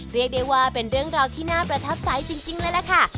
เรียกได้ว่าเป็นเรื่องราวที่น่าประทับใจจริงเลยล่ะค่ะ